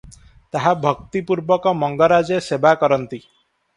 ତାହା ଭକ୍ତି ପୂର୍ବକ ମଙ୍ଗରାଜେ ସେବାକରନ୍ତି ।